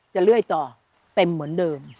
เรื่อยต่อเต็มเหมือนเดิม